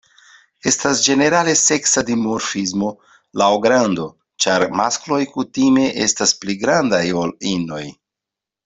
Estas ĝenerale seksa dimorfismo laŭ grando, ĉar maskloj kutime estas pli grandaj ol inoj.